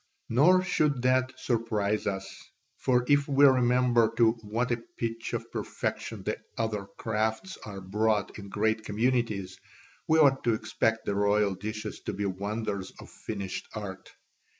Nor should that surprise us; for if we remember to what a pitch of perfection the other crafts are brought in great communities, we ought to expect the royal dishes to be wonders of finished art.